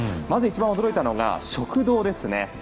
まず一番驚いたのが食堂ですね。